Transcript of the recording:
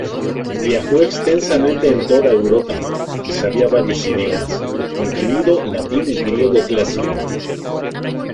Viajó extensamente en toda Europa, y sabía varios idiomas, incluido latín y griego clásico.